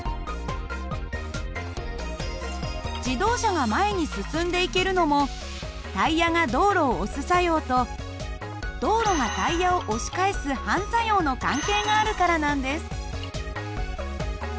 自動車が前に進んでいけるのもタイヤが道路を押す作用と道路がタイヤを押し返す反作用の関係があるからなんです。